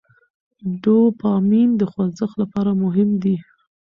ډوپامین د خوځښت لپاره مهم دی.